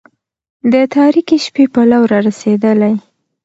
د تاريكي شپې پلو را رسېدلى